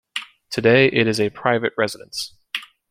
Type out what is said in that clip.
Today it is a private residence.